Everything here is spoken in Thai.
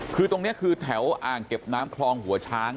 คือตรงนี้คือแถวอ่างเก็บน้ำคลองหัวช้าง